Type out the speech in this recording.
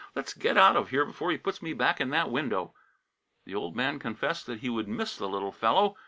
Let's get out of here before he puts me back in that window!" The old man confessed that he would miss the little fellow.